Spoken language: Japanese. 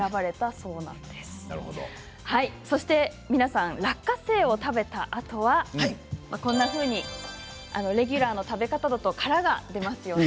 そこで皆さん落花生を食べたあとはレギュラーの食べ方だと殻が出ますよね。